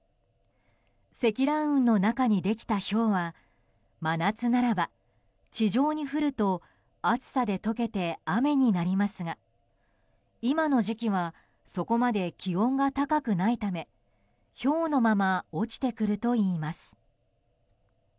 積乱雲の中にできたひょうは真夏ならば、地上に降ると暑さで溶けて雨になりますが今の時期はそこまで気温が高くないためひょうのまま落ちてくるといいます。